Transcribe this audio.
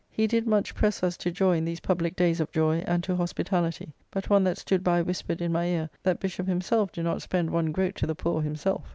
He did much press us to joy in these publique days of joy, and to hospitality. But one that stood by whispered in my ear that the Bishopp himself do not spend one groat to the poor himself.